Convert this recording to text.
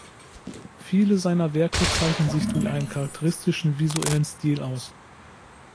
Viele seiner Werke zeichnen sich durch einen charakteristischen visuellen Stil aus.